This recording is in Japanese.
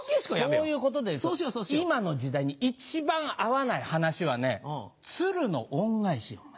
そういうことでいうと今の時代に一番合わない話はね『鶴の恩返し』よ。